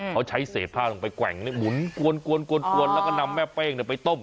เขาใช้เศษผ้าลงไปแกว่งหมุนกวนแล้วก็นำแม่เป้งไปต้ม